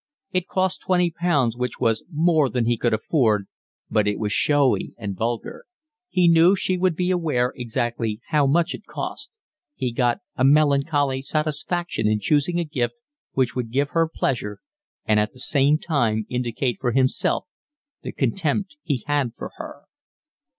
It cost twenty pounds, which was much more than he could afford, but it was showy and vulgar: he knew she would be aware exactly how much it cost; he got a melancholy satisfaction in choosing a gift which would give her pleasure and at the same time indicate for himself the contempt he had for her.